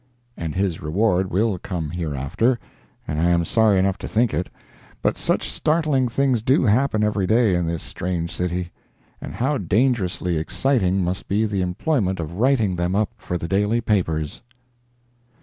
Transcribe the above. And his reward will come hereafter—and I am sorry enough to think it. But such startling things do happen every day in this strange city!—and how dangerously exciting must be the employment of writing them up for the daily papers!